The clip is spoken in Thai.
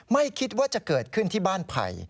ไม่คิดว่าจะเกิดขึ้นที่บ้านไผ่